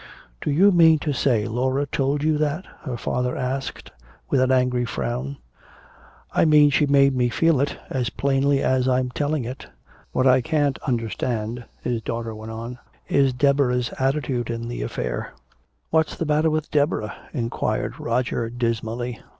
"Do you mean to say Laura told you that?" her father asked with an angry frown. "I mean she made me feel it as plainly as I'm telling it! What I can't understand," his daughter went on, "is Deborah's attitude in the affair." "What's the matter with Deborah?" inquired Roger dismally.